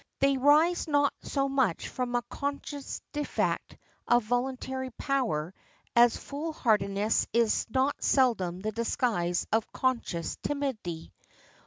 They arise not so much from a conscious defect of voluntary power, as foolhardiness is not seldom the disguise of conscious timidity.